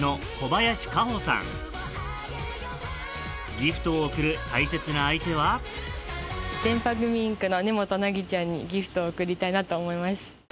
ギフトを贈る大切な相手はでんぱ組．ｉｎｃの根本凪ちゃんにギフトを贈りたいなと思います。